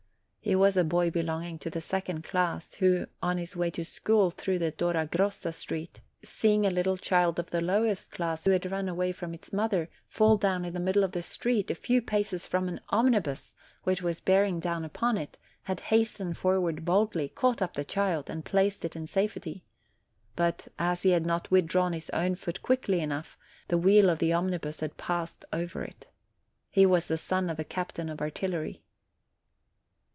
He was a boy be longing to the second class, who, on his way to school through the Dora Grossa street, seeing a little child of the lowest class, who had run away from its mother, fall down in the middle of the street, a few paces from an omnibus which was bearing down upon it, had has tened forward boldly, caught up the child, and placed it in safety; but, as he had not withdrawn his own foot quickly enough, the wheel of the omnibus had passed over it. He is the son of a captain of artil lery.